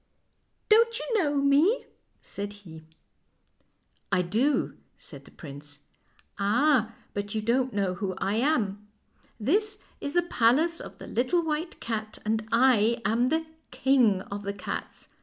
" Don't you know me? " said he. 146 FAIRY TALES " I do," said the prince. " Ah, but you don't know who I am. This is the palace of the Little White Cat, and I am the King of the Cats.